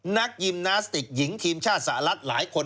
ยิมนาสติกหญิงทีมชาติสหรัฐหลายคน